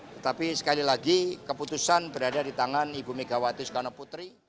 tetapi sekali lagi keputusan berada di tangan ibu megawati soekarno putri